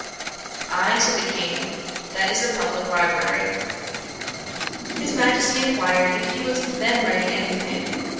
'Aye, (said the King,) that is the publick library.' His Majesty enquired if he was then writing any thing.